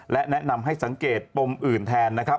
และแนะนำให้สังเกตปมอื่นแทนนะครับ